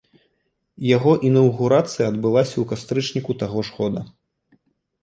Яго інаўгурацыя адбылася ў кастрычніку таго ж года.